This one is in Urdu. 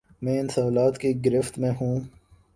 میں ان سوالات کی گرفت میں ہوں۔